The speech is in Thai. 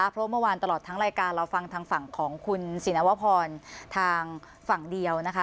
เพราะเมื่อวานตลอดทั้งรายการเราฟังทางฝั่งของคุณสินวพรทางฝั่งเดียวนะคะ